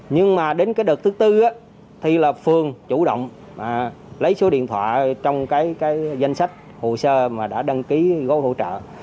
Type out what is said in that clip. nhưng mà đến cái đợt thứ tư thì là phường chủ động lấy số điện thoại trong cái danh sách hồ sơ mà đã đăng ký gói hỗ trợ